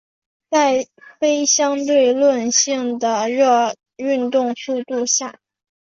在非相对论性的热运动速度下。